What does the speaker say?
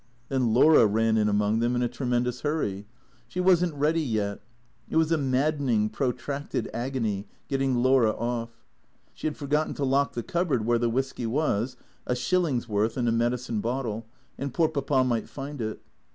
Then Laura ran in among them, in a tremendous hurry. She was n't ready yet. It was a maddening, protracted agony, get ting Laura off. She had forgotten to lock the cupboard where the whisky was (a shilling's worth in a medicine bottle) ; and poor Papa might find it.